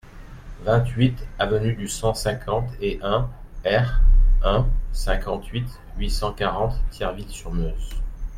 vingt-huit avenue du cent cinquante e R.un., cinquante-cinq, huit cent quarante, Thierville-sur-Meuse